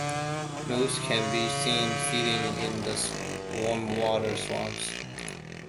Moose can be seen feeding in the warm water swamps.